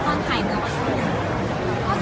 ช่องความหล่อของพี่ต้องการอันนี้นะครับ